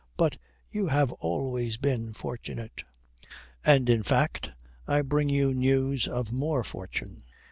But you have always been fortunate. And in fact I bring you news of more fortune.